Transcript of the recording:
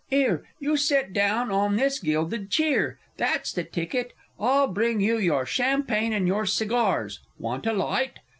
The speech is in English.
'Ere, you sit down on this gilded cheer that's the ticket I'll bring you your champagne and your cigars want a light?